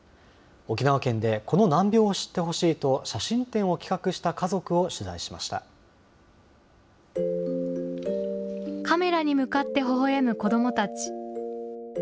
沖縄県でこの難病を知ってほしいと、写真展を企画した家族をカメラに向かってほほえむ子どもたち。